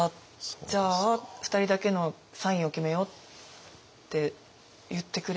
じゃあ２人だけのサインを決めよう」って言ってくれて。